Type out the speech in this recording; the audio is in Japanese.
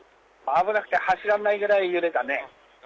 危なくて走れないぐらい揺れたね。